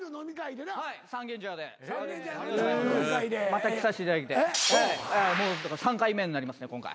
また来させていただいてもう３回目になりますね今回。